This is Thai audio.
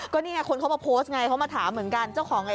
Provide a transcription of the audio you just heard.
ก็เนี่ยคุณเขามาโพสรมการถามเหมือนกัน